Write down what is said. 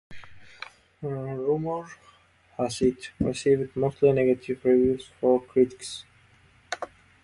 "Rumor Has It..." received mostly negative reviews from critics.